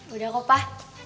udah kok pak